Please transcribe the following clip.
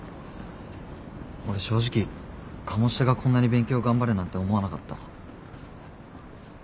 俺正直鴨志田がこんなに勉強頑張るなんて思わなかった。